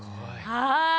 はい。